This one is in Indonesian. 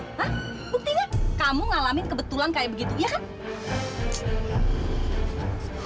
hah buktinya kamu ngalamin kebetulan kayak begitu iya kan